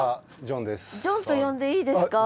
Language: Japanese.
ジョンと呼んでいいですか？